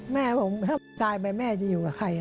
แม่ผมถ้าตายไปแม่จะอยู่กับใคร